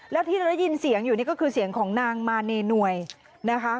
แล้วที่เราได้ยินเสียงอยู่นี่ก็คือเสียงของนางมาเนนวยนะคะ